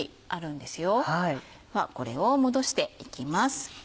ではこれを戻していきます。